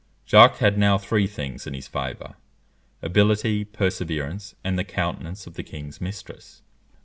Jacques had now three things in his favour ability, perseverance, and the countenance of the king's mistress.